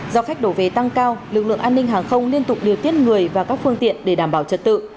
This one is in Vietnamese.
do khách đổ về tăng cao lực lượng an ninh hàng không liên tục điều tiết người và các phương tiện để đảm bảo trật tự